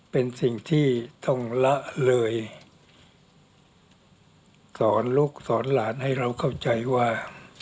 เป็นสิ่งที่ต้องละเลยสอนลูกสอนหลานให้เราเข้าใจว่า